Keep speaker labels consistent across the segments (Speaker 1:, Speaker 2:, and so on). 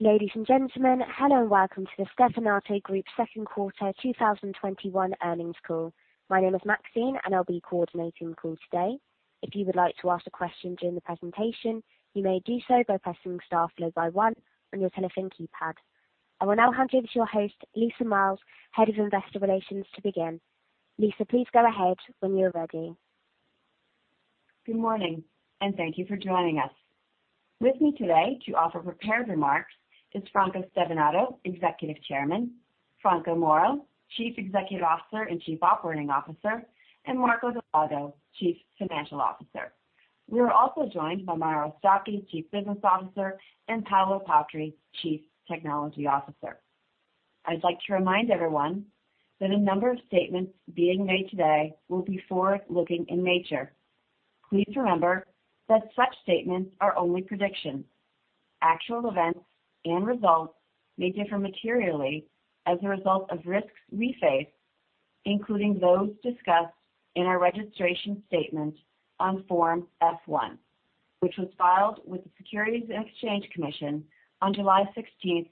Speaker 1: Ladies and gentlemen, hello and welcome to the Stevanato Group second quarter 2021 earnings call. My name is Maxine, and I'll be coordinating the call today. If you would like to ask a question during the presentation, you may do so by pressing star followed by one on your telephone keypad. I will now hand you to your host, Lisa Miles, Head of Investor Relations, to begin. Lisa, please go ahead when you're ready.
Speaker 2: Good morning, and thank you for joining us. With me today to offer prepared remarks is Franco Stevanato, Executive Chairman, Franco Moro, Chief Executive Officer and Chief Operating Officer, and Marco Dal Lago, Chief Financial Officer. We are also joined by Mauro Stocchi, Chief Business Officer, and Paolo Patri, Chief Technology Officer. I'd like to remind everyone that a number of statements being made today will be forward-looking in nature. Please remember that such statements are only predictions. Actual events and results may differ materially as a result of risks we face, including those discussed in our registration statement on Form F-1, which was filed with the Securities and Exchange Commission on July 16,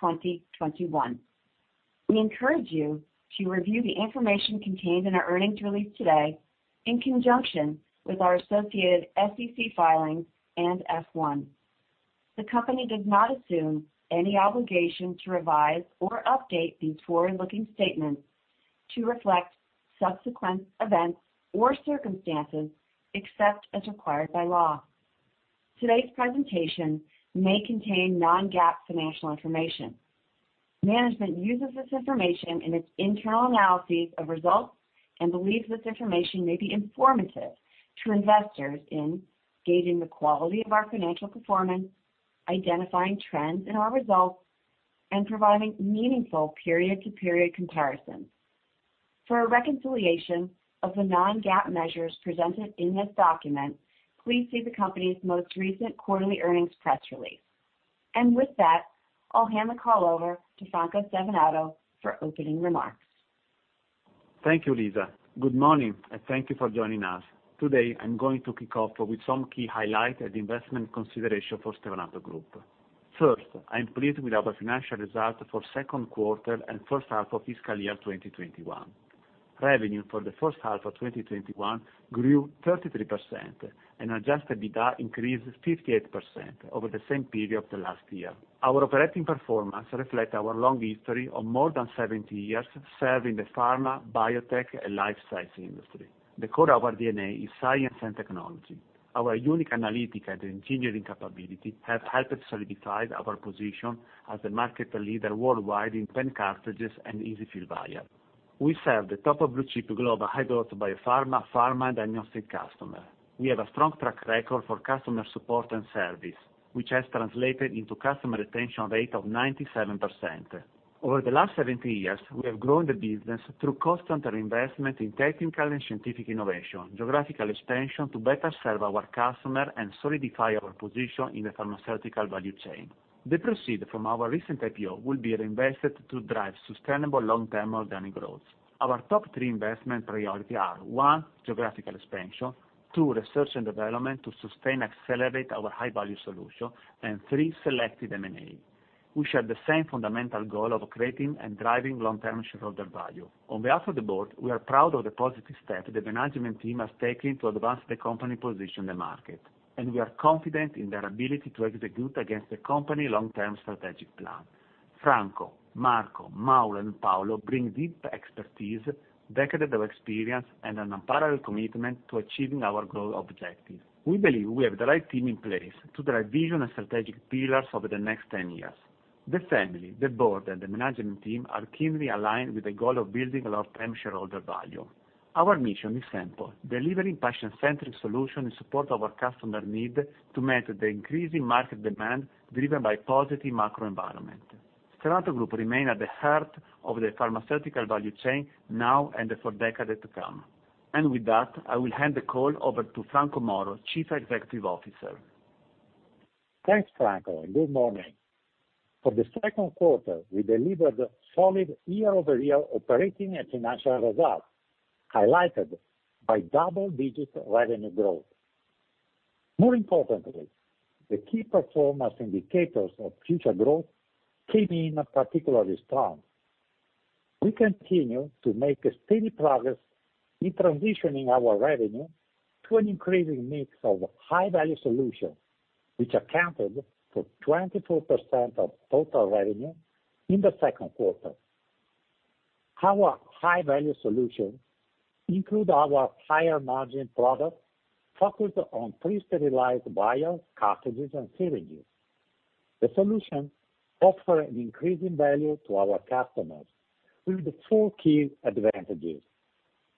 Speaker 2: 2021. We encourage you to review the information contained in our earnings release today in conjunction with our associated SEC filings and F-1. The company does not assume any obligation to revise or update these forward-looking statements to reflect subsequent events or circumstances except as required by law. Today's presentation may contain non-GAAP financial information. Management uses this information in its internal analyses of results and believes this information may be informative to investors in gauging the quality of our financial performance, identifying trends in our results, and providing meaningful period-to-period comparisons. For a reconciliation of the non-GAAP measures presented in this document, please see the company's most recent quarterly earnings press release. With that, I'll hand the call over to Franco Stevanato for opening remarks.
Speaker 3: Thank you, Lisa. Good morning. Thank you for joining us. Today, I'm going to kick off with some key highlights and investment consideration for Stevanato Group. First, I'm pleased with our financial results for second quarter and first half of fiscal year 2021. Revenue for the first half of 2021 grew 33%, and adjusted EBITDA increased 58% over the same period of the last year. Our operating performance reflects our long history of more than 70 years serving the pharma, biotech, and life science industry. The core of our DNA is science and technology. Our unique analytic and engineering capability have helped us solidify our position as the market leader worldwide in pen cartridges and EZ-fill vials. We serve the top blue-chip global high growth biopharma, pharma, and diagnostic customer. We have a strong track record for customer support and service, which has translated into customer retention rate of 97%. Over the last 70 years, we have grown the business through constant investment in technical and scientific innovation, geographical expansion to better serve our customer and solidify our position in the pharmaceutical value chain. The proceeds from our recent IPO will be reinvested to drive sustainable long-term organic growth. Our top three investment priorities are, one, geographical expansion, two, research and development to sustain and accelerate our high-value solution, and three, selected M&A. We share the same fundamental goal of creating and driving long-term shareholder value. On behalf of the board, we are proud of the positive steps that the management team has taken to advance the company position in the market, and we are confident in their ability to execute against the company long-term strategic plan. Franco, Marco, Mauro, and Paolo bring deep expertise, decades of experience, and an unparalleled commitment to achieving our global objective. We believe we have the right team in place to drive vision and strategic pillars over the next 10 years. The family, the board, and the management team are keenly aligned with the goal of building a long-term shareholder value. Our mission is simple, delivering patient-centric solution in support of our customer need to meet the increasing market demand driven by positive macro environment. Stevanato Group remain at the heart of the pharmaceutical value chain now and for decades to come. With that, I will hand the call over to Franco Moro, Chief Executive Officer.
Speaker 4: Thanks, Franco, and good morning. For the second quarter, we delivered solid year-over-year operating and financial results, highlighted by double-digit revenue growth. More importantly, the key performance indicators of future growth came in particularly strong. We continue to make a steady progress in transitioning our revenue to an increasing mix of high-value solutions, which accounted for 24% of total revenue in the second quarter. Our high-value solutions include our higher margin product focused on pre-sterilized vials, cartridges, and syringes. The solution offer an increasing value to our customers with four key advantages: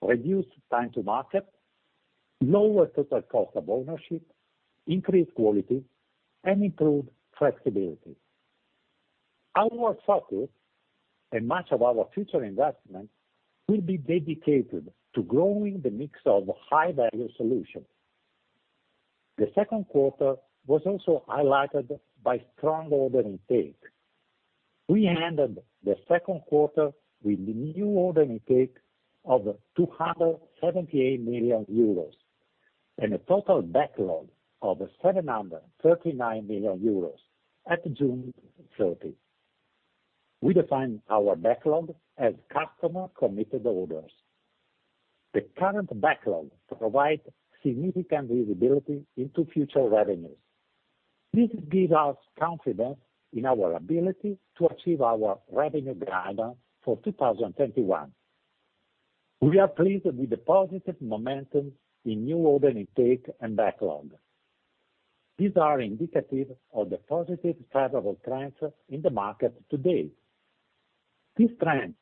Speaker 4: reduced time to market, lower total cost of ownership, increased quality, and improved flexibility. Our focus and much of our future investment will be dedicated to growing the mix of high-value solutions. The second quarter was also highlighted by strong order intake. We ended the second quarter with new order intake of 278 million euros, and a total backlog of 739 million euros at June 30th. We define our backlog as customer-committed orders. The current backlog provides significant visibility into future revenues. This gives us confidence in our ability to achieve our revenue guidance for 2021. We are pleased with the positive momentum in new order intake and backlog. These are indicative of the positive favorable trends in the market to date. These trends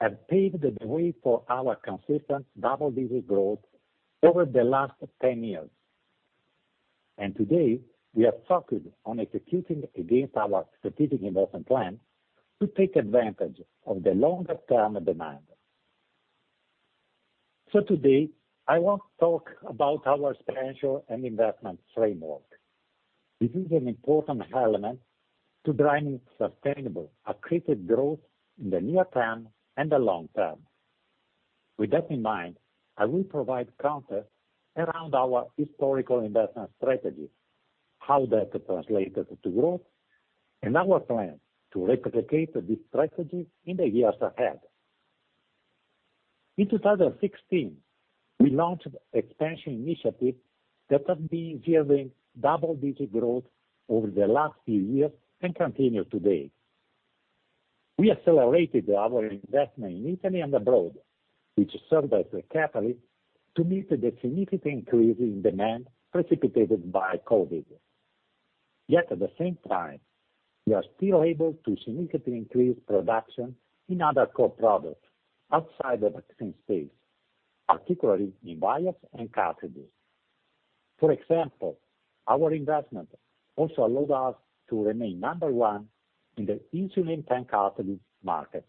Speaker 4: have paved the way for our consistent double-digit growth over the last 10 years, and today, we are focused on executing against our strategic investment plan to take advantage of the longer-term demand. Today, I want to talk about our expansion and investment framework. This is an important element to driving sustainable, accretive growth in the near term and the long term. With that in mind, I will provide context around our historical investment strategy, how that translated to growth, and our plans to replicate this strategy in the years ahead. In 2016, we launched expansion initiatives that have been yielding double-digit growth over the last few years and continue today. We accelerated our investment in Italy and abroad, which served as a catalyst to meet the significant increase in demand precipitated by COVID. Yet, at the same time, we are still able to significantly increase production in other core products outside the vaccine space, particularly in vials and cartridges. For example, our investment also allowed us to remain number one in the insulin pen cartridge market.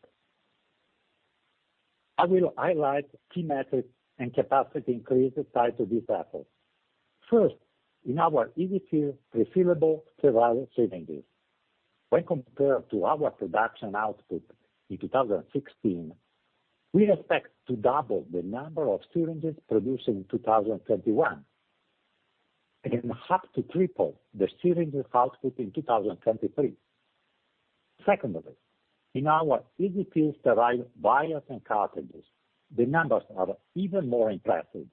Speaker 4: I will highlight key metrics and capacity increases tied to these efforts. First, in our EZ-fill refillable sterile syringes. When compared to our production output in 2016, we expect to double the number of syringes produced in 2021, and up to triple the syringes output in 2023. Secondly, in our EZ-fill sterile vials and cartridges, the numbers are even more impressive.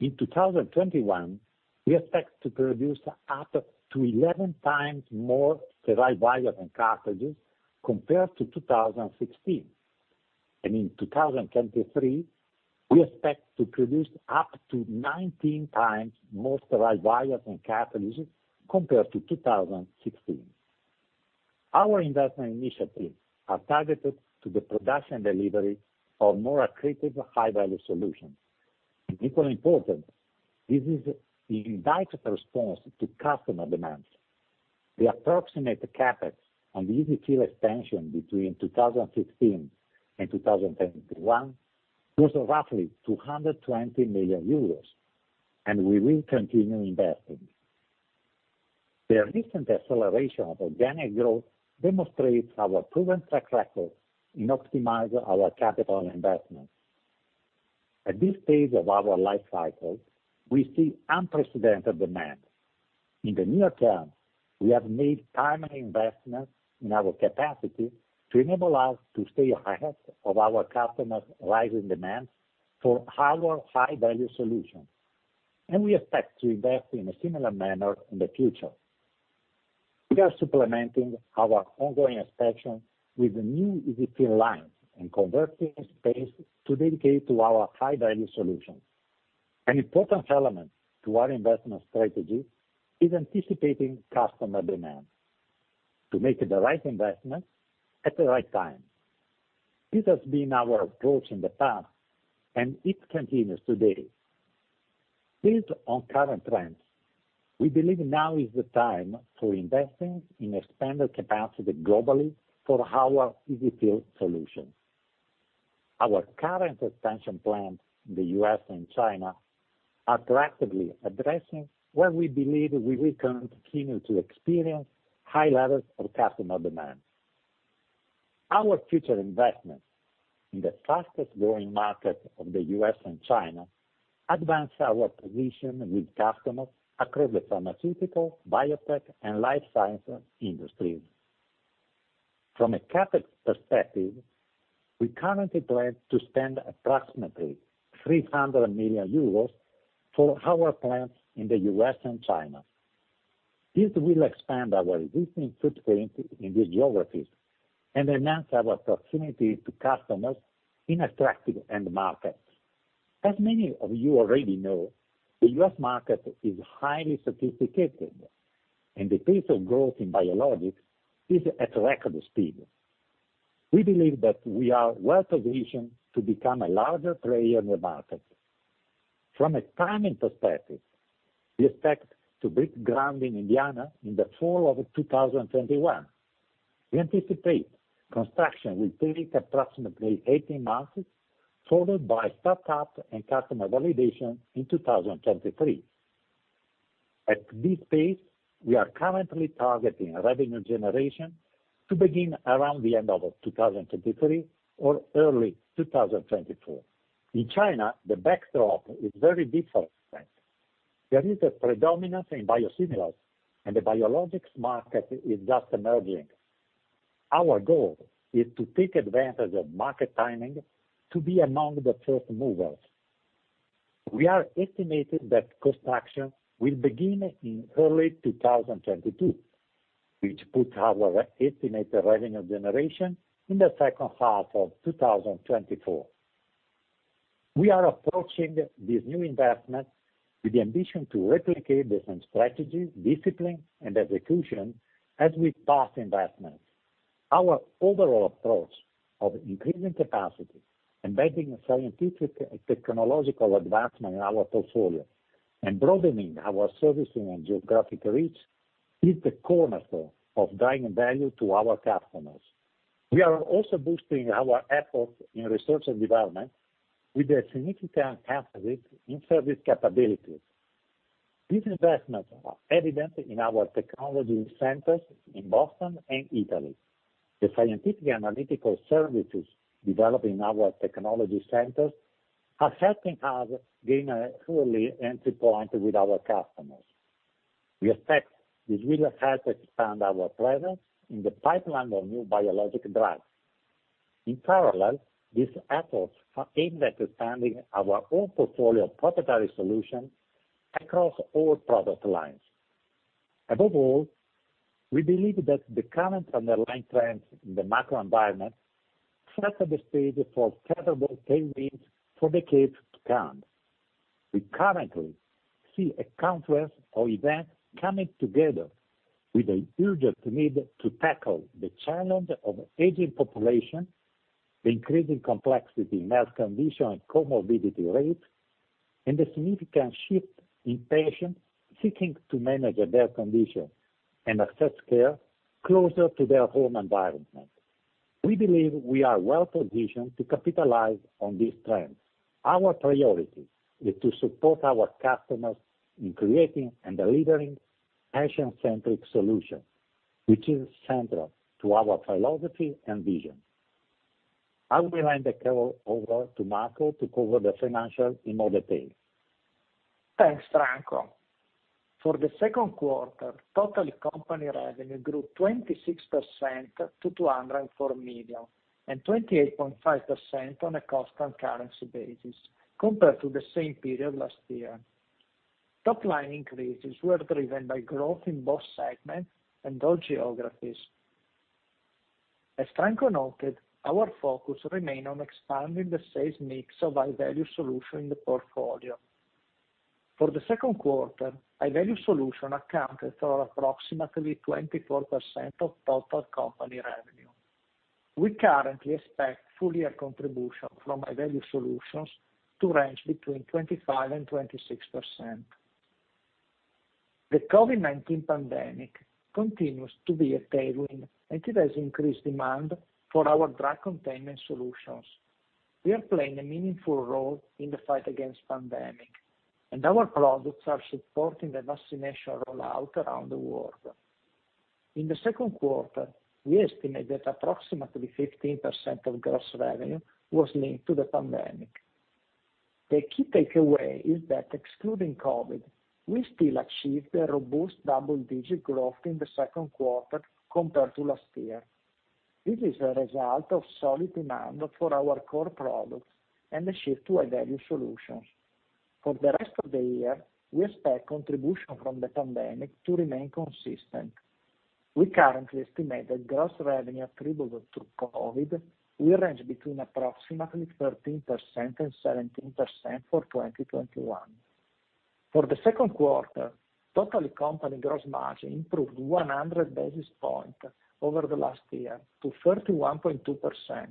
Speaker 4: In 2021, we expect to produce up to 11 times more sterile vials and cartridges compared to 2016. In 2023, we expect to produce up to 19 times more sterile vials and cartridges compared to 2016. Our investment initiatives are targeted to the production delivery of more accretive high-value solutions, and equally important, this is in direct response to customer demands. The approximate CapEx on the EZ-fill expansion between 2016 and 2021 was roughly 220 million euros, and we will continue investing. The recent acceleration of organic growth demonstrates our proven track record in optimizing our capital investments. At this stage of our life cycle, we see unprecedented demand. In the near term, we have made timely investments in our capacity to enable us to stay ahead of our customers' rising demand for our high-value solutions, and we expect to invest in a similar manner in the future. We are supplementing our ongoing expansion with new EZ-fill lines and converting space to dedicate to our high-value solutions. An important element to our investment strategy is anticipating customer demand, to make the right investments at the right time. This has been our approach in the past, and it continues today. Built on current trends, we believe now is the time for investing in expanded capacity globally for our EZ-fill solutions. Our current expansion plans in the U.S. and China are proactively addressing where we believe we will continue to experience high levels of customer demand. Our future investments in the fastest-growing markets of the U.S. and China advance our position with customers across the pharmaceutical, biotech, and life sciences industries. From a CapEx perspective, we currently plan to spend approximately €300 million for our plants in the U.S. and China. This will expand our existing footprint in these geographies and enhance our proximity to customers in attractive end markets. As many of you already know, the U.S. market is highly sophisticated, and the pace of growth in biologics is at record speed. We believe that we are well-positioned to become a larger player in the market. From a timing perspective, we expect to break ground in Indiana in the fall of 2021. We anticipate construction will take approximately 18 months, followed by startup and customer validation in 2023. At this pace, we are currently targeting revenue generation to begin around the end of 2023 or early 2024. In China, the backdrop is very different. There is a predominance in biosimilars, and the biologics market is just emerging. Our goal is to take advantage of market timing to be among the first movers. We are estimating that construction will begin in early 2022, which puts our estimated revenue generation in the second half of 2024. We are approaching this new investment with the ambition to replicate the same strategy, discipline, and execution as with past investments. Our overall approach of increasing capacity, embedding scientific technological advancement in our portfolio, and broadening our servicing and geographic reach is the cornerstone of driving value to our customers. We are also boosting our efforts in research and development with a significant upgrade in service capabilities. These investments are evident in our technology centers in Boston and Italy. The scientific analytical services developed in our technology centers are helping us gain a early entry point with our customers. We expect this will help expand our presence in the pipeline of new biologic drugs. In parallel, these efforts are aimed at expanding our own portfolio of proprietary solutions across all product lines. Above all, we believe that the current underlying trends in the macro environment set the stage for favorable tailwinds for decades to come. We currently see a confluence of events coming together with an urgent need to tackle the challenge of aging population, increasing complexity in health condition and comorbidity rates, and a significant shift in patients seeking to manage their condition and access care closer to their home environment. We believe we are well-positioned to capitalize on these trends. Our priority is to support our customers in creating and delivering patient-centric solutions, which is central to our philosophy and vision. I will hand the call over to Marco to cover the financial in more detail.
Speaker 5: Thanks, Franco. For the second quarter, total company revenue grew 26% to 204 million, and 28.5% on a constant currency basis compared to the same period last year. Top-line increases were driven by growth in both segments and all geographies. As Franco noted, our focus remained on expanding the sales mix of high-value solutions in the portfolio. For the second quarter, high-value solutions accounted for approximately 24% of total company revenue. We currently expect full-year contribution from high-value solutions to range between 25% and 26%. The COVID-19 pandemic continues to be a tailwind, and it has increased demand for our drug containment solutions. We are playing a meaningful role in the fight against pandemic, and our products are supporting the vaccination rollout around the world. In the second quarter, we estimate that approximately 15% of gross revenue was linked to the pandemic. The key takeaway is that excluding COVID, we still achieved a robust double-digit growth in the second quarter compared to last year. This is a result of solid demand for our core products and the shift to high-value solutions. For the rest of the year, we expect contribution from the pandemic to remain consistent. We currently estimate that gross revenue attributable to COVID will range between approximately 13% and 17% for 2021. For the second quarter, total company gross margin improved 100 basis points over the last year to 31.2%,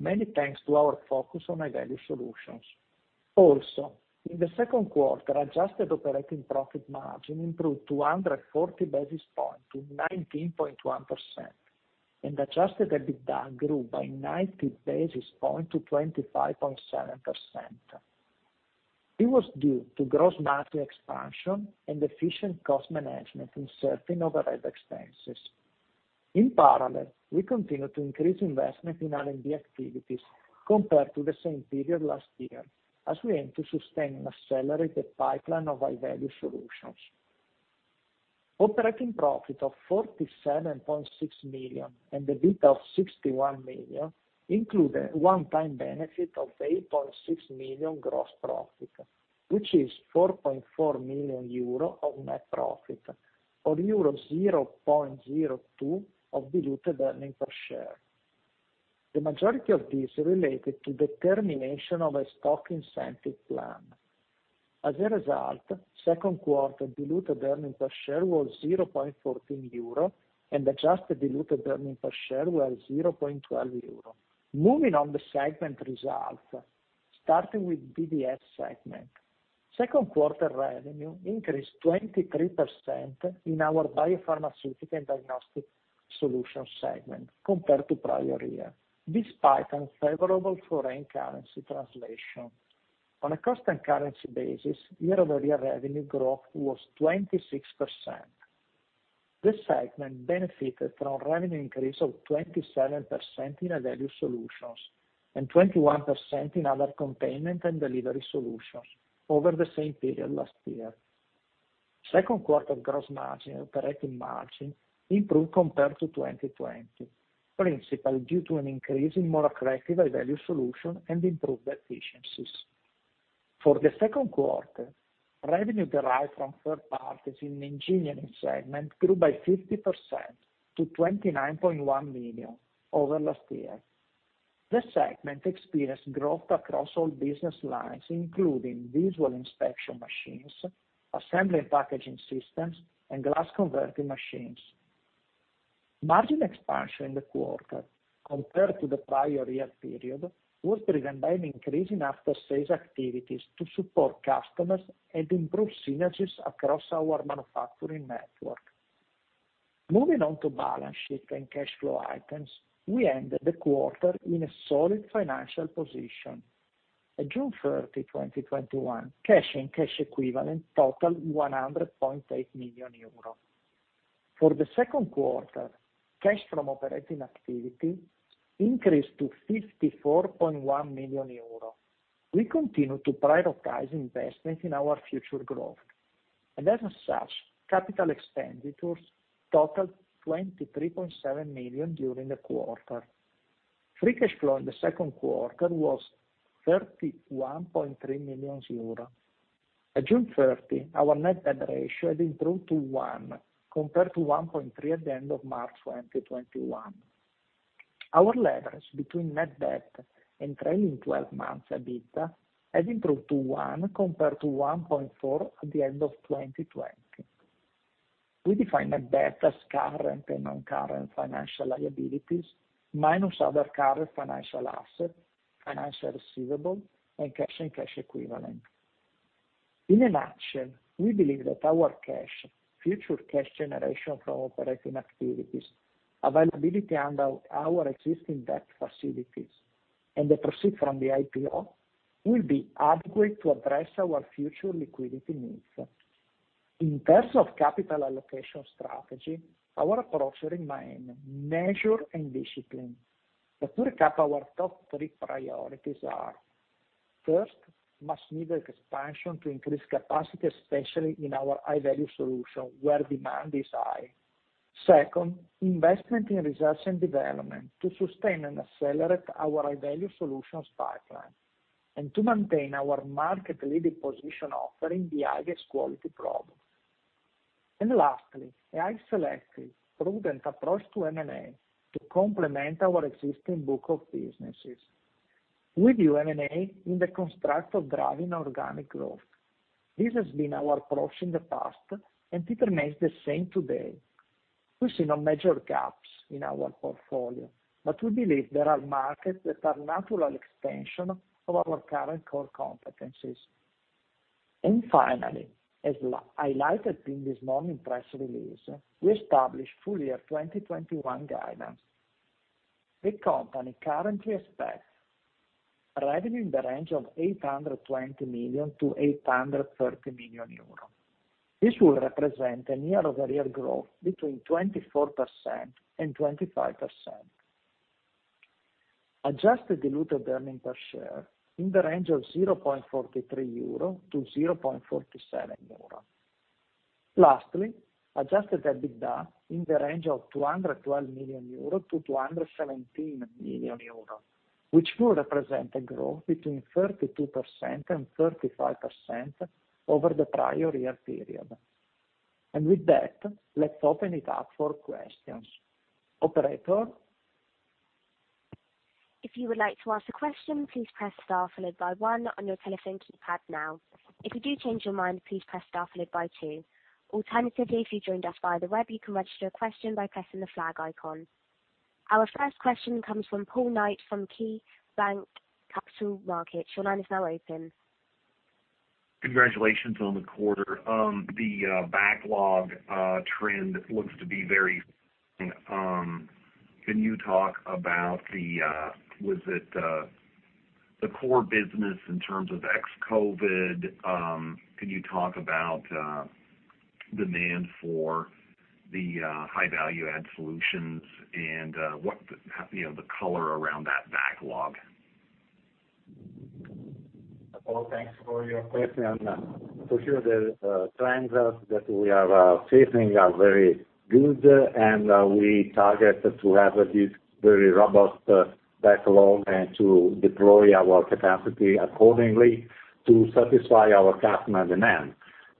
Speaker 5: mainly thanks to our focus on high-value solutions. In the second quarter, adjusted operating profit margin improved 240 basis points to 19.1%, and adjusted EBITDA grew by 90 basis points to 25.7%. It was due to gross margin expansion and efficient cost management in certain overhead expenses. In parallel, we continue to increase investment in R&D activities compared to the same period last year, as we aim to sustain an accelerated pipeline of high-value solutions. Operating profit of 47.6 million and EBITDA of 61 million include a one-time benefit of 8.6 million gross profit, which is 4.4 million euro of net profit, or euro 0.02 of diluted earnings per share. The majority of this related to the termination of a stock incentive plan. Second quarter diluted earnings per share was 0.14 euro and adjusted diluted earnings per share was 0.12 euro. Moving on to segment results, starting with BDS segment. Second quarter revenue increased 23% in our Biopharmaceutical and Diagnostic Solutions segment compared to prior year, despite unfavorable foreign currency translation. On a constant currency basis, year-over-year revenue growth was 26%. This segment benefited from revenue increase of 27% in value solutions and 21% in other containment and delivery solutions over the same period last year. Second quarter gross margin and operating margin improved compared to 2020, principally due to an increase in more attractive High-Value Solution and improved efficiencies. For the second quarter, revenue derived from third parties in engineering segment grew by 50% to 29.1 million over last year. This segment experienced growth across all business lines, including visual inspection machines, assembly and packaging systems, and glass converting machines. Margin expansion in the quarter, compared to the prior year period, was driven by an increase in after-sales activities to support customers and improve synergies across our manufacturing network. Moving on to balance sheet and cash flow items, we ended the quarter in a solid financial position. At June 30, 2021, cash and cash equivalent totaled 100.8 million euro. For the second quarter, cash from operating activities increased to 54.1 million euro. As such, capital expenditures totaled 23.7 million during the quarter. Free cash flow in the second quarter was 31.3 million euro. At June 30, our net debt ratio had improved to 1 compared to 1.3 at the end of March 2021. Our leverage between net debt and trailing 12 months EBITDA has improved to 1 compared to 1.4 at the end of 2020. We define net debt as current and non-current financial liabilities, minus other current financial assets, financial receivable, and cash and cash equivalent. In a nutshell, we believe that our cash, future cash generation from operating activities, availability under our existing debt facilities, and the proceeds from the IPO, will be adequate to address our future liquidity needs. In terms of capital allocation strategy, our approach remains measured and disciplined. To recap, our top three priorities are, first, machinery expansion to increase capacity, especially in our high-value solutions where demand is high. Second, investment in research and development to sustain and accelerate our high-value solutions pipeline and to maintain our market-leading position offering the highest quality products. Lastly, a selective, prudent approach to M&A to complement our existing book of businesses. We view M&A in the construct of driving organic growth. This has been our approach in the past, and it remains the same today. We see no major gaps in our portfolio, we believe there are markets that are natural extensions of our current core competencies. Finally, as highlighted in this morning press release, we established full year 2021 guidance. The company currently expects revenue in the range of 820 million-830 million euro. This will represent a year-over-year growth between 24%-25%. Adjusted diluted earnings per share in the range of 0.43-0.47 euro. Lastly, adjusted EBITDA in the range of 212 million-217 million euro, which will represent a growth between 32%-35% over the prior year period. With that, let's open it up for questions. Operator?
Speaker 1: If you would like to ask a question, please press star followed by one on your telephone keypad now. If you do change your mind, please press star followed by two. Our first question comes from Paul Knight from KeyBanc Capital Markets. Your line is now open.
Speaker 6: Congratulations on the quarter. The backlog trend looks to be very. Was it the core business in terms of ex-COVID? Can you talk about demand for the high value add solutions and the color around that backlog?
Speaker 4: Paul, thanks for your question. For sure, the trends that we are facing are very good, and we target to have this very robust backlog and to deploy our capacity accordingly to satisfy our customer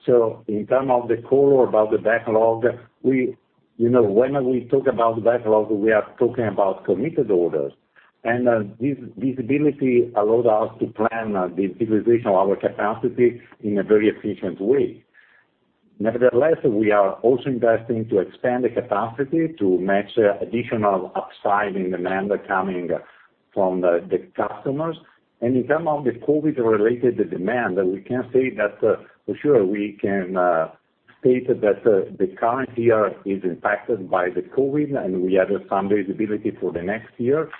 Speaker 4: demand. In term of the color about the backlog, when we talk about backlog, we are talking about committed orders, and this visibility allows us to plan the utilization of our capacity in a very efficient way. Nevertheless, we are also investing to expand the capacity to match additional upside in demand coming From the customers. In terms of the COVID-related demand, we can say that for sure we can state that the current year is impacted by the COVID, and we have some visibility for the next year.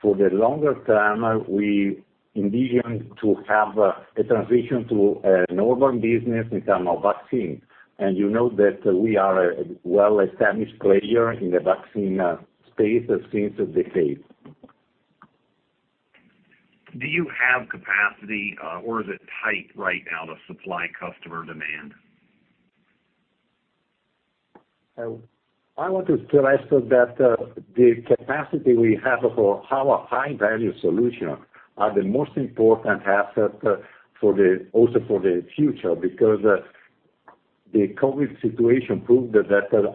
Speaker 4: For the longer term, we envision to have a transition to a normal business in terms of vaccine. You know that we are a well-established player in the vaccine space since decades.
Speaker 6: Do you have capacity, or is it tight right now to supply customer demand?
Speaker 4: I want to stress that the capacity we have for our high-value solutions are the most important asset also for the future, because the COVID situation proved that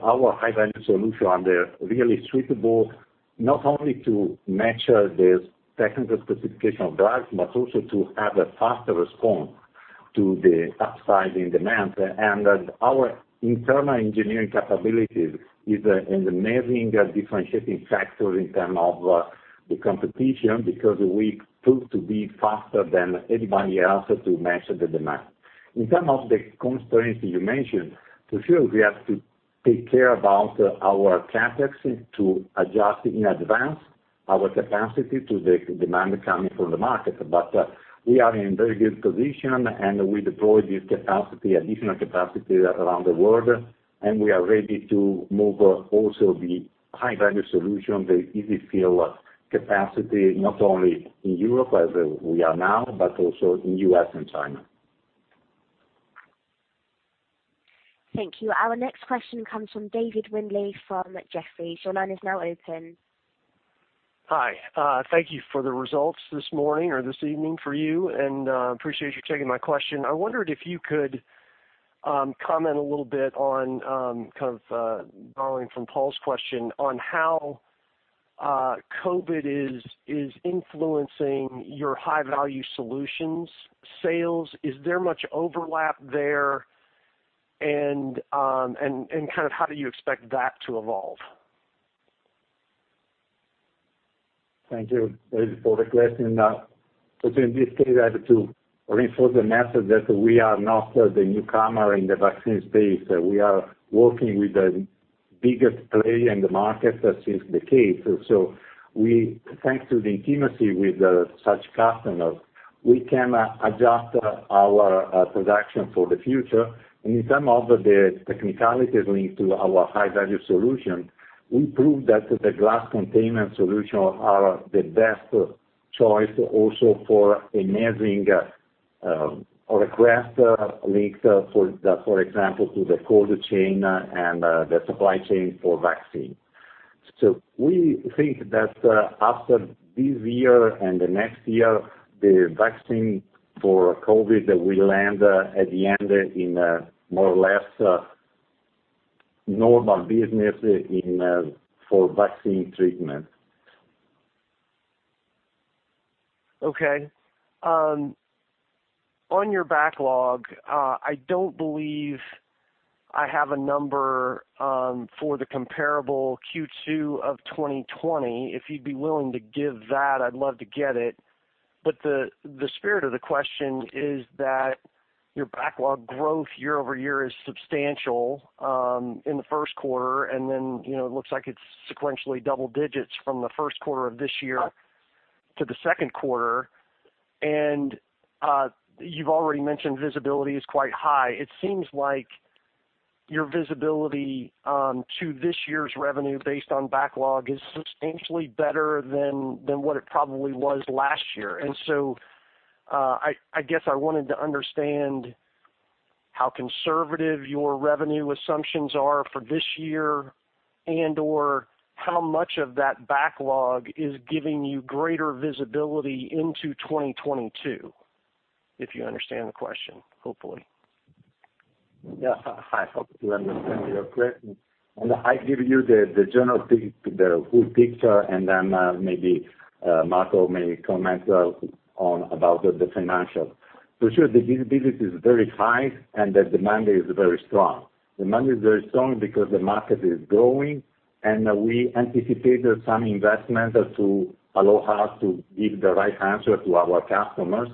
Speaker 4: our high-value solutions are really suitable not only to match the technical specification of drugs, but also to have a faster response to the upside in demand. Our internal engineering capabilities is an amazing differentiating factor in terms of the competition, because we proved to be faster than anybody else to match the demand. In terms of the constraints you mentioned, for sure, we have to take care about our CapEx to adjust in advance our capacity to the demand coming from the market. We are in very good position, and we deploy this additional capacity around the world, and we are ready to move also the high-value solution, the EZ-fill capacity, not only in Europe as we are now, but also in U.S. and China.
Speaker 1: Thank you. Our next question comes from David Windley from Jefferies. Your line is now open.
Speaker 7: Hi. Thank you for the results this morning or this evening for you, and appreciate you taking my question. I wondered if you could comment a little bit on, kind of following from Paul's question, on how COVID is influencing your high-value solutions sales. Is there much overlap there? How do you expect that to evolve?
Speaker 4: Thank you, David, for the question. In this case, I have to reinforce the message that we are not the newcomer in the vaccine space. We are working with the biggest player in the market since decades. Thanks to the intimacy with such customers, we can adjust our production for the future. In terms of the technicalities linked to our high-value solution, we proved that the glass containment solution is the best choice also for enabling our request linked, for example, to the cold chain and the supply chain for vaccine. We think that after this year and the next year, the vaccine for COVID will land at the end in a more or less normal business for vaccine treatment.
Speaker 7: Okay. On your backlog, I don't believe I have a number for the comparable Q2 2020. If you'd be willing to give that, I'd love to get it. The spirit of the question is that your backlog growth year-over-year is substantial in the first quarter, and then it looks like it's sequentially double digits from the first quarter of this year to the second quarter. You've already mentioned visibility is quite high. It seems like your visibility to this year's revenue based on backlog is substantially better than what it probably was last year. I guess I wanted to understand how conservative your revenue assumptions are for this year and/or how much of that backlog is giving you greater visibility into 2022, if you understand the question, hopefully.
Speaker 4: Yeah. I hope you understand your question, and I give you the general full picture, and then maybe Marco may comment about the financials. For sure, the visibility is very high, and the demand is very strong. Demand is very strong because the market is growing, and we anticipated some investment to allow us to give the right answer to our customers.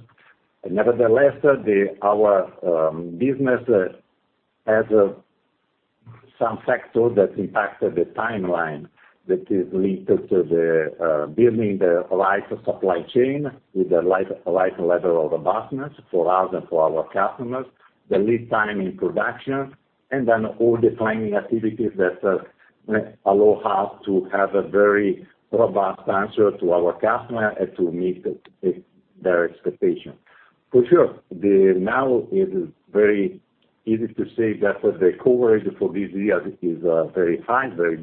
Speaker 4: Nevertheless, our business has some factors that impacted the timeline that is linked to the building the right supply chain with the right level of robustness for us and for our customers, the lead time in production, and then all the planning activities that allow us to have a very robust answer to our customer and to meet their expectation. For sure, now it is very easy to say that the coverage for this year is very high, very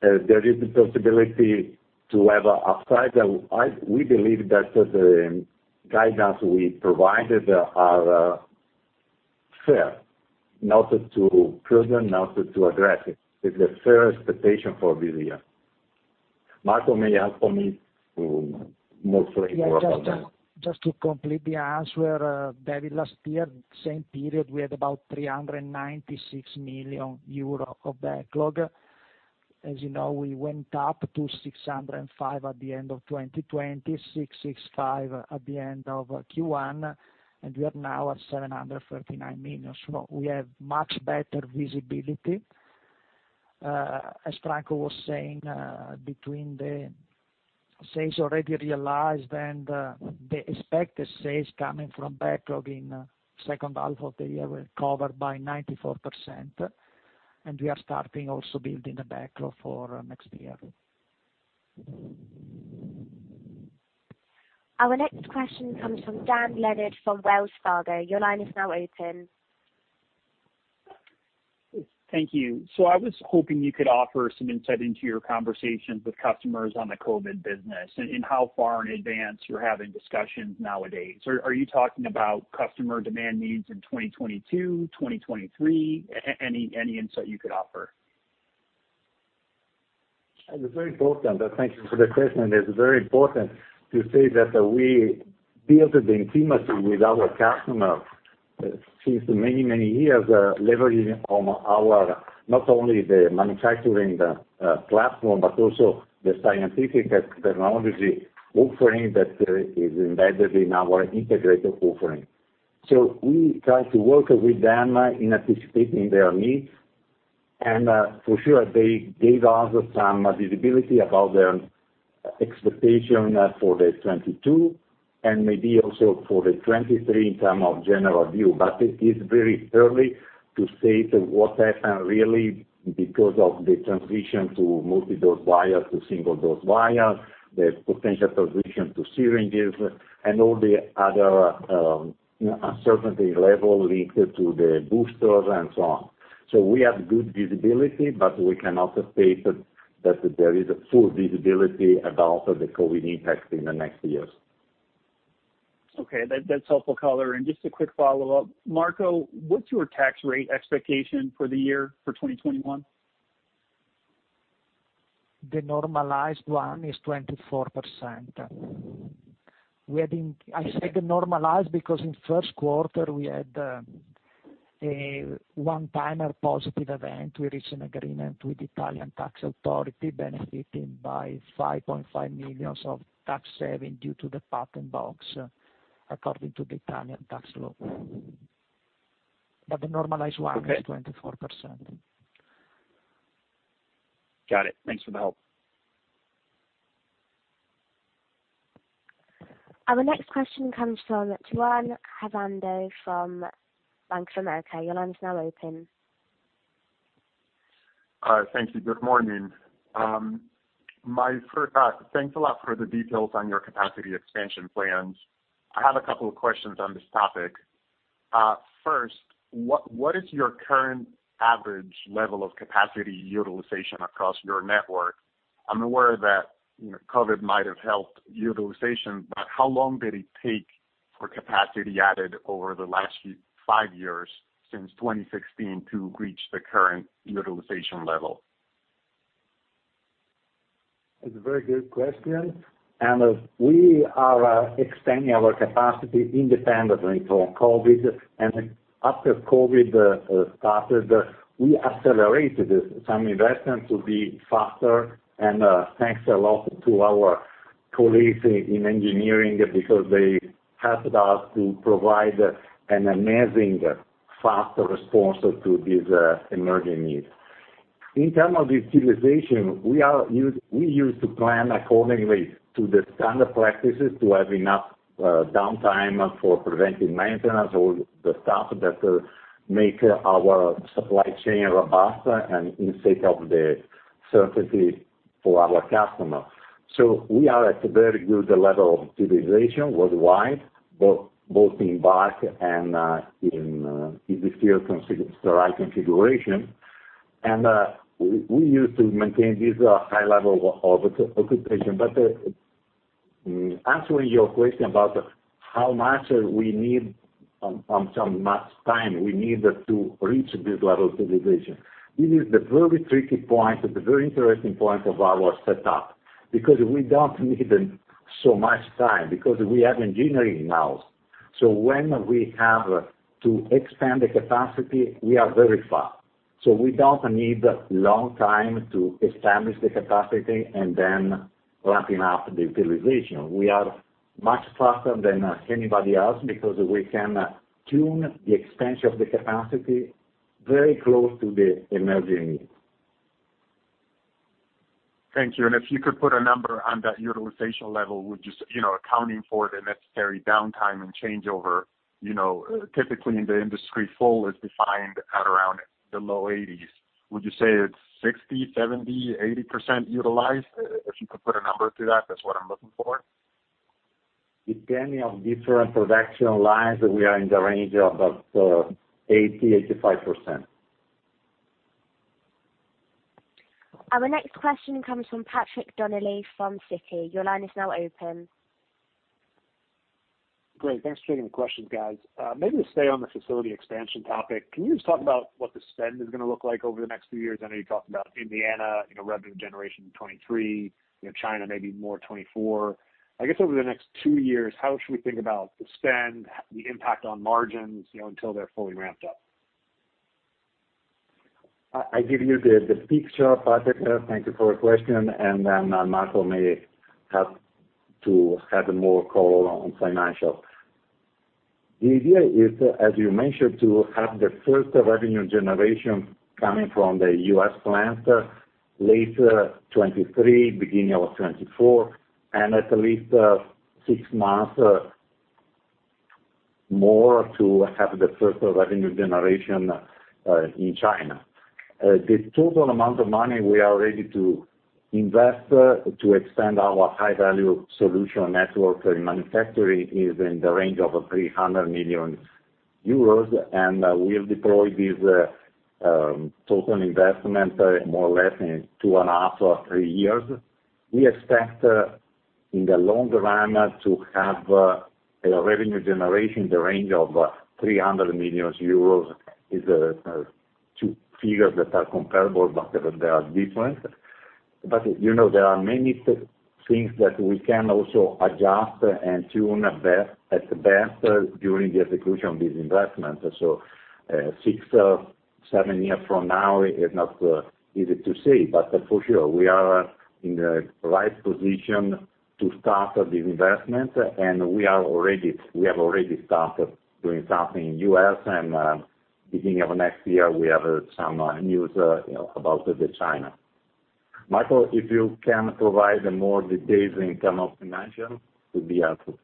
Speaker 4: good. There is the possibility to have an upside. We believe that the guidance we provided are fair, neither too prudent, neither too aggressive. It's a fair expectation for this year. Marco may help me.
Speaker 5: Yeah, just to complete the answer, David, last year, same period, we had about 396 million euro of backlog. As you know, we went up to 605 million at the end of 2020, 665 million at the end of Q1, and we are now at 739 million. We have much better visibility. As Franco was saying, between the sales already realized and the expected sales coming from backlog in second half of the year were covered by 94%, and we are starting also building the backlog for next year.
Speaker 1: Our next question comes from Dan Leonard from Wells Fargo.
Speaker 8: Thank you. I was hoping you could offer some insight into your conversations with customers on the COVID business and how far in advance you're having discussions nowadays. Are you talking about customer demand needs in 2022, 2023? Any insight you could offer?
Speaker 4: It's very important. Thank you for the question. It's very important to say that we built the intimacy with our customers since many, many years, leveraging on our, not only the manufacturing platform, but also the scientific technology offering that is embedded in our integrated offering. We try to work with them in anticipating their needs, and, for sure, they gave us some visibility about their expectation for 2022 and maybe also for 2023 in terms of general view. It is very early to say what happened really because of the transition to multi-dose vial to single-dose vial, the potential transition to syringes, and all the other uncertainty level linked to the boosters and so on. We have good visibility, but we cannot state that there is full visibility about the COVID impact in the next years.
Speaker 8: Okay. That's helpful color. Just a quick follow-up. Marco, what's your tax rate expectation for the year for 2021?
Speaker 5: The normalized one is 24%. I said normalized because in first quarter, we had a one-timer positive event. We reached an agreement with Italian tax authority benefiting by 5.5 million of tax saving due to the patent box, according to the Italian tax law.
Speaker 8: Okay
Speaker 5: is 24%.
Speaker 8: Got it. Thanks for the help.
Speaker 1: Our next question comes from Juan Avendano from Bank of America. Your line is now open.
Speaker 9: Thank you. Good morning. Thanks a lot for the details on your capacity expansion plans. I have a couple of questions on this topic. What is your current average level of capacity utilization across your network? I'm aware that COVID might have helped utilization, how long did it take for capacity added over the last five years, since 2016, to reach the current utilization level?
Speaker 4: That's a very good question. We are expanding our capacity independently from COVID. After COVID started, we accelerated some investments to be faster. Thanks a lot to our colleagues in engineering, because they helped us to provide an amazing, fast response to these emerging needs. In terms of utilization, we used to plan accordingly to the standard practices to have enough downtime for preventive maintenance or the stuff that make our supply chain robust and for the sake of certainty for our customer. We are at a very good level of utilization worldwide, both in bulk and in EZ-fill configuration. We used to maintain this high level of occupation. Answering your question about how much time we need to reach this level of utilization, this is the very tricky point, the very interesting point of our setup, because we don't need so much time because we have engineering in-house. When we have to expand the capacity, we are very fast. We don't need long time to establish the capacity and then ramping up the utilization. We are much faster than anybody else because we can tune the expansion of the capacity very close to the emerging need.
Speaker 9: Thank you. If you could put a number on that utilization level, accounting for the necessary downtime and changeover. Typically, in the industry, full is defined at around the low 80s. Would you say it is 60%, 70%, 80% utilized? If you could put a number to that is what I am looking for.
Speaker 4: Depending on different production lines, we are in the range of 80%-85%.
Speaker 1: Our next question comes from Patrick Donnelly from Citi. Your line is now open.
Speaker 10: Great. Thanks for taking the questions, guys. Maybe to stay on the facility expansion topic, can you just talk about what the spend is going to look like over the next few years? I know you talked about Indiana, revenue generation in 2023, China maybe more 2024. I guess over the next two years, how should we think about the spend, the impact on margins, until they're fully ramped up?
Speaker 4: I give you the picture, Patrick. Thank you for the question, and then Marco may have to have more call on financial. The idea is, as you mentioned, to have the first revenue generation coming from the U.S. plant later 2023, beginning of 2024, and at least six months more to have the first revenue generation in China. The total amount of money we are ready to invest to expand our high-value solutions network for manufacturing is in the range of 300 million euros, and we have deployed this total investment, more or less, in two and a half or three years. We expect, in the long run, to have a revenue generation in the range of 300 million euros, is two figures that are comparable, but they are different. There are many things that we can also adjust and tune at best during the execution of this investment. Six, seven years from now is not easy to say. For sure, we are in the right position to start this investment, and we have already started doing something in U.S., and beginning of next year, we have some news about the China. Marco, if you can provide more details in term of financial, would be helpful.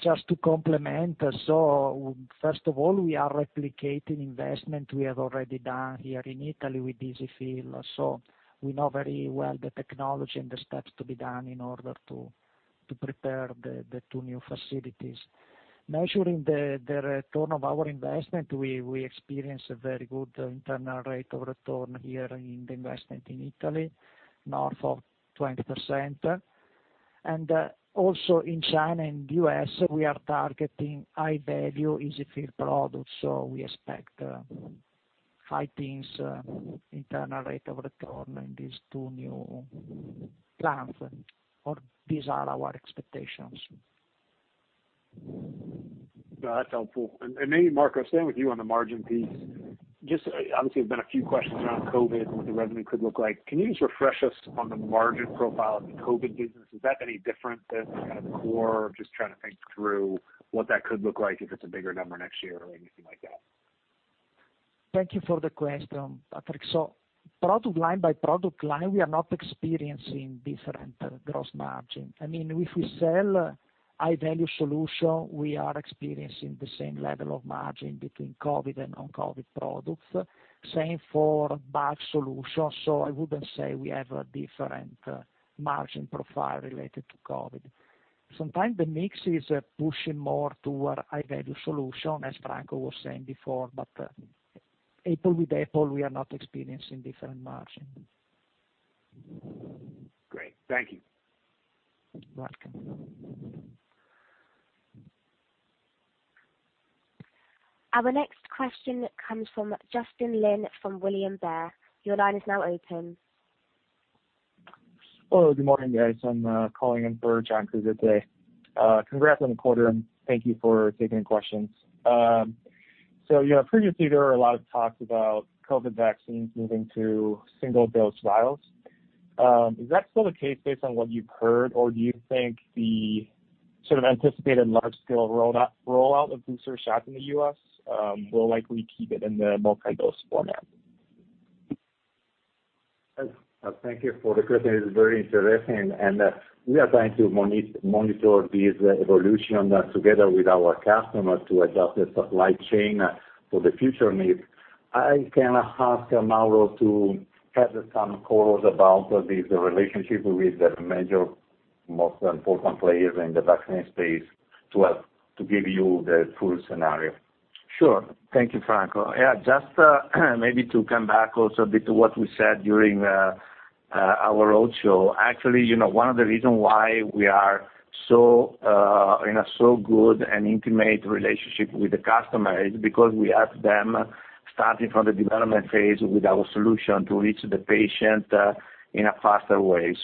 Speaker 5: Just to complement. First of all, we are replicating investment we have already done here in Italy with EZ-fill. We know very well the technology and the steps to be done in order to prepare the two new facilities. Measuring the return of our investment, we experience a very good internal rate of return here in the investment in Italy, north of 20%. Also, in China and U.S., we are targeting high-value EZ-fill products. We expect high teens internal rate of return in these two new plants, or these are our expectations.
Speaker 10: No, that's helpful. Maybe, Marco, staying with you on the margin piece, obviously, there's been a few questions around COVID and what the revenue could look like. Can you just refresh us on the margin profile of the COVID business? Is that any different than kind of the core? I'm just trying to think through what that could look like if it's a bigger number next year or anything like that.
Speaker 5: Thank you for the question, Patrick. Product line by product line, we are not experiencing different gross margin. If we sell high-value solution, we are experiencing the same level of margin between COVID and non-COVID products. Same for bulk solutions. I wouldn't say we have a different margin profile related to COVID. Sometimes, the mix is pushing more toward high-value solution, as Franco was saying before. Apple with apple, we are not experiencing different margin.
Speaker 10: Great. Thank you.
Speaker 5: Welcome.
Speaker 1: Our next question comes from Justin Lin from William Blair. Your line is now open.
Speaker 11: Hello. Good morning, guys. I'm calling in for John Kreger today. Congrats on the quarter, and thank you for taking the questions. Previously, there were a lot of talks about COVID vaccines moving to single-dose vials. Is that still the case based on what you've heard, or do you think the sort of anticipated large scale rollout of booster shots in the U.S. will likely keep it in the multi-dose format?
Speaker 4: Thank you for the question. It's very interesting. We are trying to monitor this evolution together with our customers to adjust the supply chain for the future needs. I can ask Mauro to have some calls about this relationship with the major, most important players in the vaccine space to give you the full scenario.
Speaker 12: Sure. Thank you, Franco. Just maybe to come back also a bit to what we said during our roadshow. Actually, one of the reason why we are in a so good and intimate relationship with the customer is because we have them starting from the development phase with our solution to reach the patient in a faster way.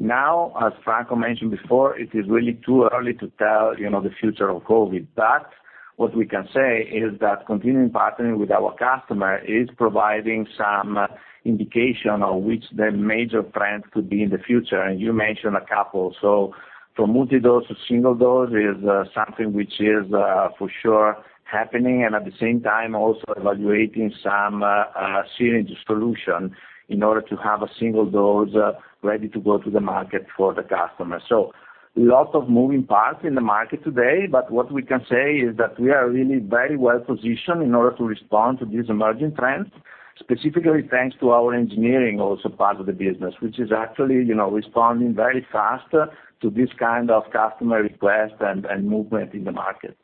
Speaker 12: Now, as Franco mentioned before, it is really two early to tell the future of COVID. What we can say is that continuing partnering with our customer is providing some indication on which the major trends could be in the future, and you mentioned a couple. From multi-dose to single-dose is something which is for sure happening, and at the same time, also evaluating some syringe solution in order to have a single dose ready to go to the market for the customer. Lots of moving parts in the market today, but what we can say is that we are really very well positioned in order to respond to these emerging trends, specifically thanks to our engineering, also part of the business, which is actually responding very fast to this kind of customer request and movement in the market.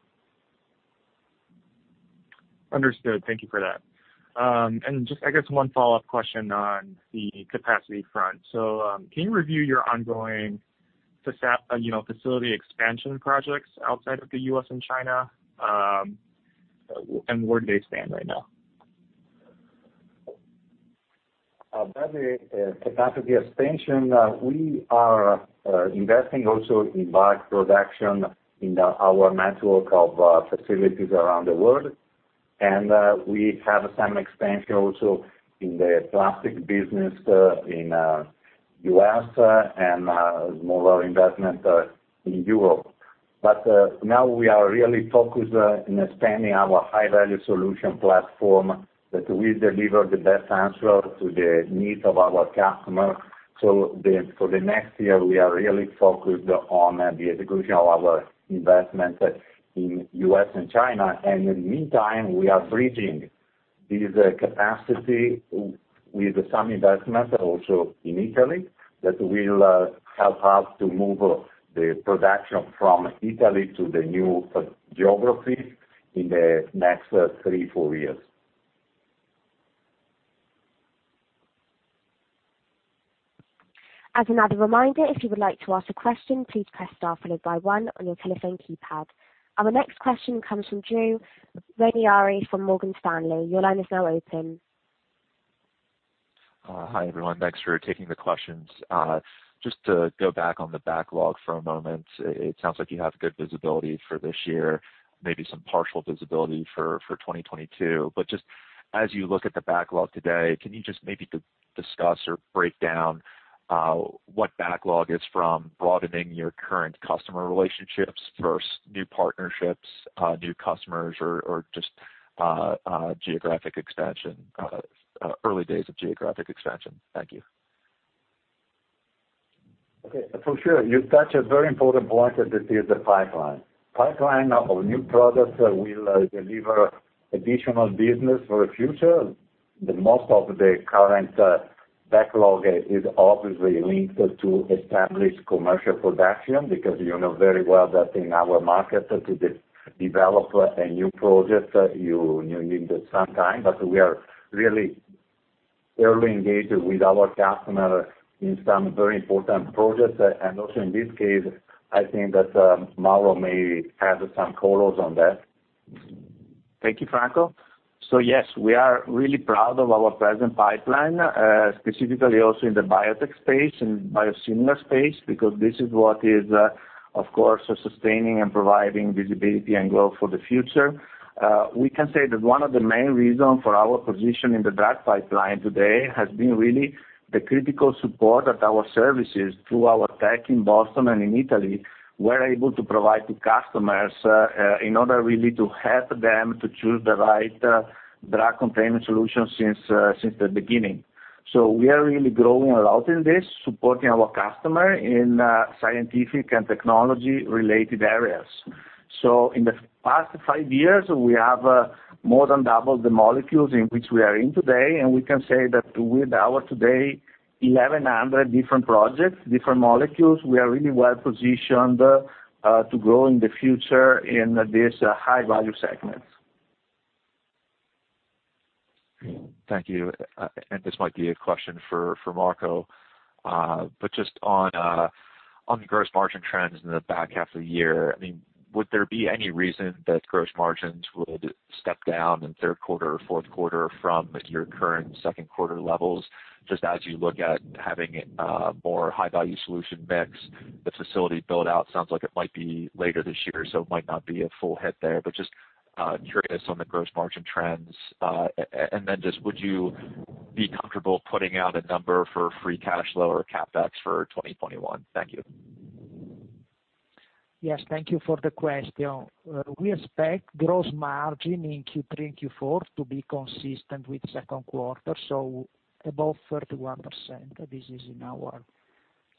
Speaker 11: Understood. Thank you for that. Just, I guess one follow-up question on the capacity front. Can you review your ongoing facility expansion projects outside of the U.S. and China? Where do they stand right now?
Speaker 4: About the capacity expansion, we are investing also in bulk production in our network of facilities around the world. We have some expansion also in the plastic business in U.S. and more investment in Europe. Now we are really focused on expanding our high-value solutions platform that will deliver the best answer to the needs of our customers. For the next year, we are really focused on the execution of our investment in U.S. and China. In the meantime, we are bridging this capacity with some investment also in Italy that will help us to move the production from Italy to the new geographies in the next three, four years.
Speaker 1: As another reminder, if you would like to ask a question, please press star followed by one on your telephone keypad. Our next question comes from Drew Ranieri from Morgan Stanley. Your line is now open.
Speaker 13: To go back on the backlog for a moment, it sounds like you have good visibility for this year, maybe some partial visibility for 2022. Just as you look at the backlog today, can you just maybe discuss or break down what backlog is from broadening your current customer relationships versus new partnerships, new customers or just geographic expansion, early days of geographic expansion? Thank you.
Speaker 4: Okay. For sure. You touch a very important point that is the pipeline. Pipeline of new products will deliver additional business for the future. The most of the current backlog is obviously linked to established commercial production because you know very well that in our market, to develop a new project, you need some time, but we are really early engaged with our customer in some very important projects. Also, in this case, I think that Mauro may have some colors on that.
Speaker 12: Thank you, Franco. Yes, we are really proud of our present pipeline, specifically also in the biotech space, in biosimilar space, because this is what is, of course, sustaining and providing visibility and growth for the future. We can say that one of the main reasons for our position in the drug pipeline today has been really the critical support that our services through our tech in Boston and in Italy were able to provide to customers, in order really to help them to choose the right drug containment solution since the beginning. We are really growing a lot in this, supporting our customer in scientific and technology related areas. In the past five years, we have more than doubled the molecules in which we are in today. We can say that with our today 1,100 different projects, different molecules, we are really well positioned to grow in the future in this high-value segment.
Speaker 13: Thank you. This might be a question for Marco. Just on the gross margin trends in the back half of the year, would there be any reason that gross margins would step down in third quarter, fourth quarter from your current second quarter levels, just as you look at having a more high-value solution mix, the facility build-out sounds like it might be later this year, so it might not be a full hit there. Just curious on the gross margin trends. Then just would you be comfortable putting out a number for free cash flow or CapEx for 2021? Thank you.
Speaker 5: Yes. Thank you for the question. We expect gross margin in Q3 and Q4 to be consistent with second quarter, so above 31%. This is in our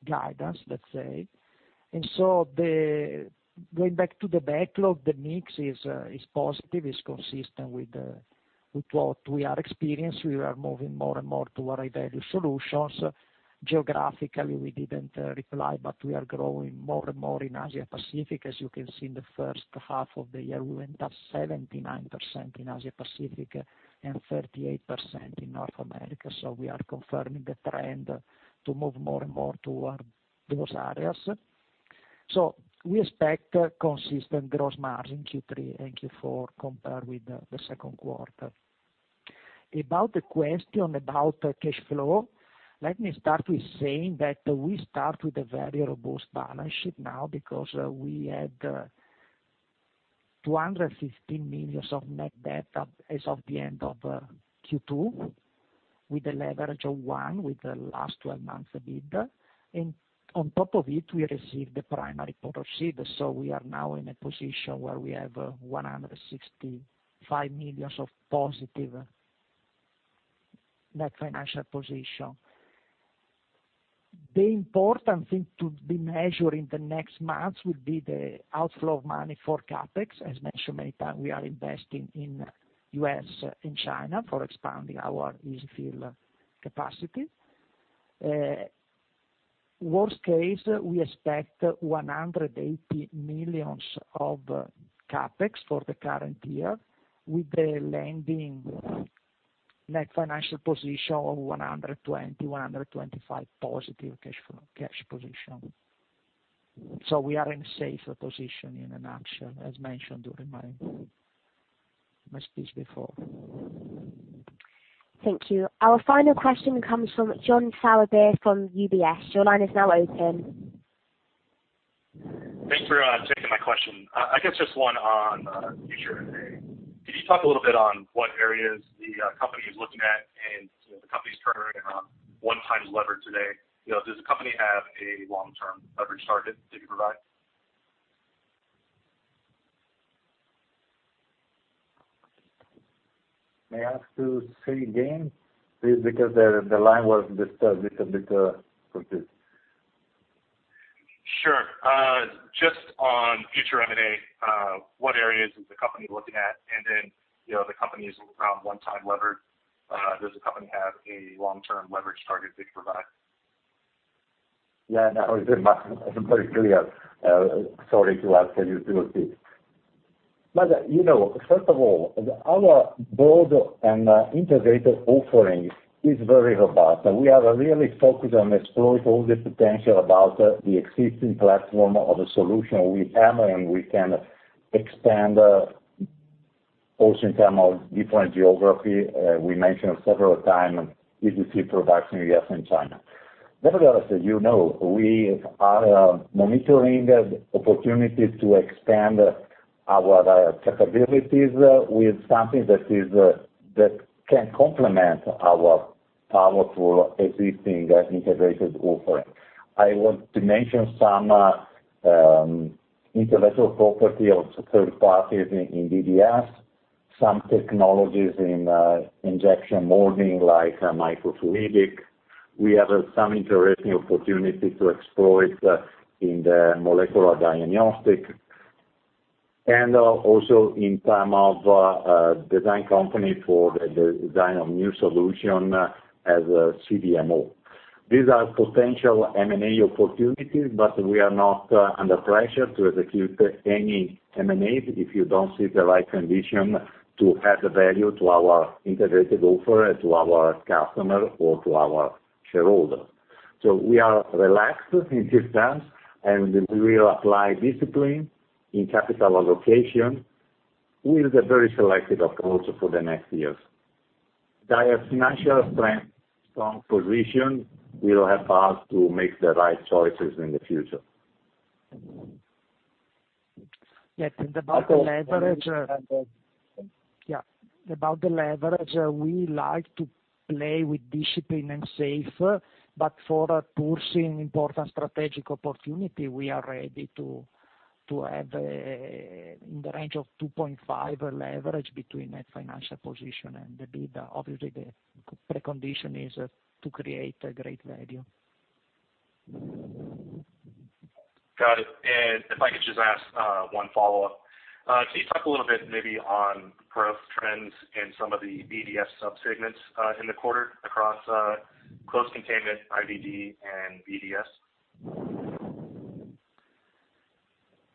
Speaker 5: guidance, let's say. Going back to the backlog, the mix is positive, is consistent with what we are experienced. We are moving more and more toward high-value solutions. Geographically, we didn't reply, but we are growing more and more in Asia-Pacific. As you can see, in the first half of the year, we went up 79% in Asia-Pacific and 38% in North America. We are confirming the trend to move more and more toward those areas. We expect consistent gross margin Q3 and Q4 compared with the second quarter. About the question about cash flow, let me start with saying that we start with a very robust balance sheet now because we had 215 million of net debt as of the end of Q2, with a leverage of one with the last 12 months EBITDA. On top of it, we received the primary proceeds, so we are now in a position where we have 165 million of positive net financial position. The important thing to be measured in the next months will be the outflow of money for CapEx. As mentioned many times, we are investing in U.S. and China for expanding our EZ-fill capacity. Worst case, we expect 180 million of CapEx for the current year with the lending net financial position of 120 million-125 million positive cash position. We are in a safer position in an action, as mentioned during my speech before.
Speaker 1: Thank you. Our final question comes from John Sourbeer from UBS. Your line is now open.
Speaker 14: Thanks for taking my question. I guess just one on future M&A. Could you talk a little bit on what areas the company is looking at and the company's current 1x lever today? Does the company have a long-term leverage target that you provide?
Speaker 4: May I ask you say again, please? The line was disturbed a little bit.
Speaker 14: Sure. Just on future M&A, what areas is the company looking at? The company's around 1 time levered. Does the company have a long-term leverage target they can provide?
Speaker 4: Yeah. Now it's very much, it's very clear. Sorry to ask you to repeat. First of all, our broad and integrated offering is very robust, and we are really focused on exploring all the potential about the existing platform of a solution we have, and we can expand also in terms of different geography. We mentioned several time, EZ-fill production in U.S. and China. Nevertheless, you know we are monitoring the opportunities to expand our capabilities with something that can complement our powerful existing integrated offering. I want to mention some intellectual property of third parties in DDS, some technologies in injection molding like microfluidic. We have some interesting opportunity to explore it in the molecular diagnostic, and also in terms of design company for the design of new solution as a CDMO. These are potential M&A opportunities, but we are not under pressure to execute any M&A if you don't see the right condition to add value to our integrated offer, to our customer, or to our shareholder. We are relaxed in this sense, and we will apply discipline in capital allocation with a very selective approach for the next years. Our financial strength, strong position will help us to make the right choices in the future.
Speaker 5: Yeah. About the leverage, we like to play with discipline and safe, but for pursuing important strategic opportunity, we are ready to have in the range of 2.5 leverage between net financial position and the EBITDA. Obviously, the precondition is to create a great value.
Speaker 14: Got it. If I could just ask one follow-up. Can you talk a little bit maybe on growth trends in some of the BDS sub-segments in the quarter across closure containment, IVD, and BDS?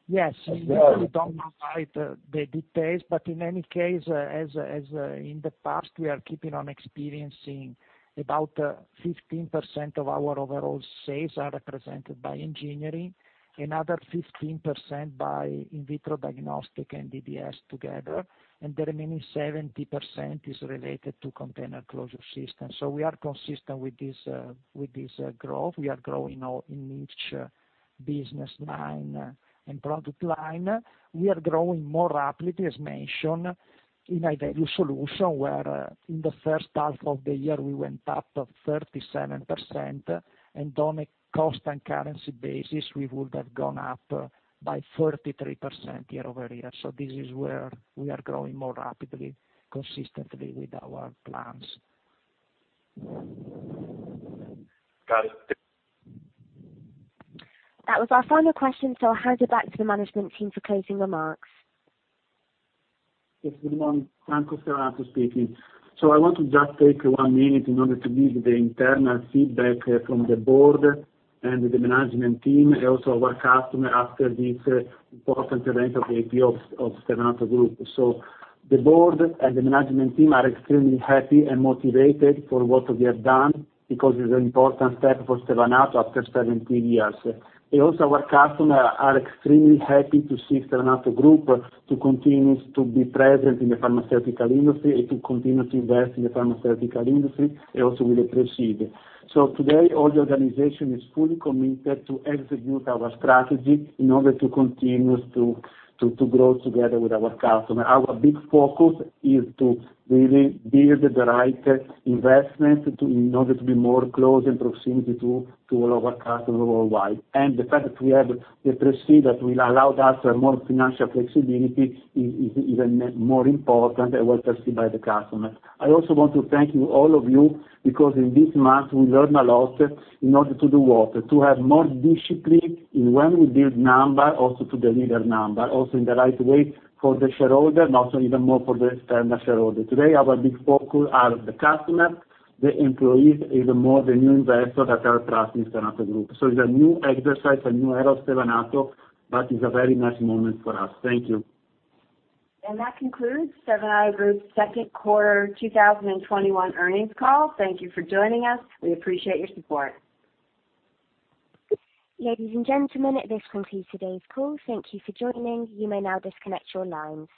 Speaker 5: Yes. We don't provide the details, but in any case, as in the past, we are keeping on experiencing about 15% of our overall sales are represented by engineering, another 15% by in-vitro diagnostic and DDS together, and the remaining 70% is related to container closure system. We are consistent with this growth. We are growing in each business line and product line. We are growing more rapidly, as mentioned, in high-value solution, where in the first half of the year, we went up 37%, and on a cost and currency basis, we would have gone up by 33% year-over-year. This is where we are growing more rapidly, consistently with our plans.
Speaker 14: Got it.
Speaker 1: That was our final question. I'll hand you back to the management team for closing remarks.
Speaker 3: Yes, good morning. Franco Stevanato speaking. I want to just take one minute in order to give the internal feedback from the board and the management team, also our customer after this important event of the IPO of Stevanato Group. The board and the management team are extremely happy and motivated for what we have done because it's an important step for Stevanato after 73 years. Also, our customer are extremely happy to see Stevanato Group to continue to be present in the pharmaceutical industry and to continue to invest in the pharmaceutical industry, and also with the proceeds. Today, all the organization is fully committed to execute our strategy in order to continue to grow together with our customer. Our big focus is to really build the right investment in order to be more close in proximity to all our customer worldwide. The fact that we have the proceeds that will allow us more financial flexibility is even more important and well perceived by the customer. I also want to thank all of you, because in this month, we learn a lot in order to do what? To have more discipline in when we build number, also to deliver number, also in the right way for the shareholder, and also even more for the external shareholder. Today, our big focus are the customer, the employees, even more the new investor that are trusting Stevanato Group. It's a new exercise, a new era of Stevanato, but it's a very nice moment for us. Thank you.
Speaker 2: That concludes Stevanato Group's second quarter 2021 earnings call. Thank you for joining us. We appreciate your support.
Speaker 1: Ladies and gentlemen, this concludes today's call. Thank you for joining. You may now disconnect your lines.